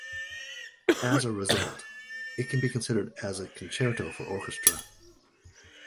As a result, it can be considered as a concerto for orchestra.